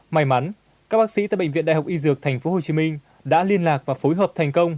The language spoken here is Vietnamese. may mắn các bác sĩ tại bệnh viện đại học y dược tp hcm đã liên lạc và phối hợp thành công